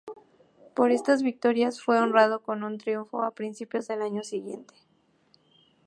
Por estas victorias fue honrado con un triunfo a principios del año siguiente.